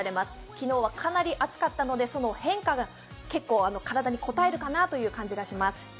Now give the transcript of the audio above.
昨日はかなり暑かったのでその変化が体にこたえるかなという感じがします。